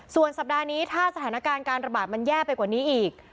ส่วนสัปดาห์นี้ถ้าสถานการณ์การระบาดมันแย่ไปกว่านี้อีก